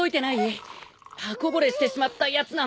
刃こぼれしてしまったやつなんだけど。